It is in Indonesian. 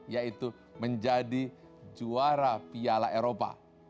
yaitu menjadi juara piala eropa